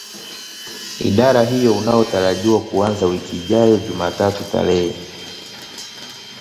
idara hiyo unaotarajiwa kuanza wiki ijayo jumatatu tarehe